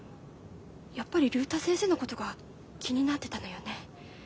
やっぱり竜太先生のことが気になってたのよね。